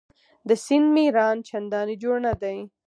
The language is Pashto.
د سیند میران چنداني جوړ نه دي.